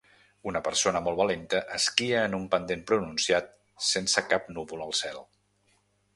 Una persona molt valenta esquia en un pendent pronunciat sense cap núvol al cel.